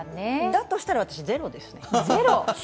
だとしたら私、ゼロです。